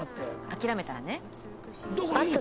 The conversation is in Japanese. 諦めたらね。